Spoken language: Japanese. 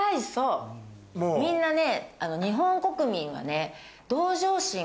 みんなね。